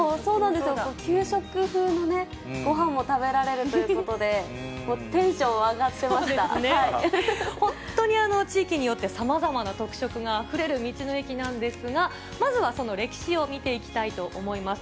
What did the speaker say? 給食風のごはんも食べられるということで、本当に地域によって、さまざまな特色があふれる道の駅なんですが、まずはその歴史を見ていきたいと思います。